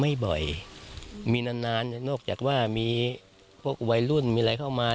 ไม่บ่อยมีนานนานนอกจากว่ามีพวกวัยรุ่นมีอะไรเข้ามา